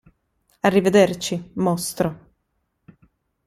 Arrivederci, mostro!